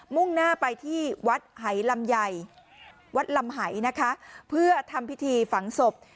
มุ่งหน้าไปที่วัดหายลำไหยเพื่อทำพิธีฝังศพ